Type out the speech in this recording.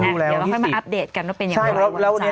หรอ